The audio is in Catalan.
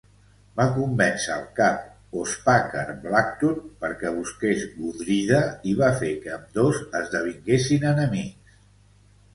Va convèncer al cap Ospakar Blacktooth perquè busqués Gudrida i va fer que ambdós esdevinguessin enemics.